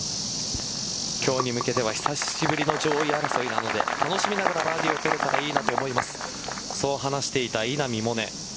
今日に向けては久しぶりの上位争いなので楽しみながらバーディーを取れたらいいなと思いますと話していた稲見萌寧。